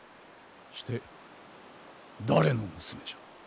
して誰の娘じゃ？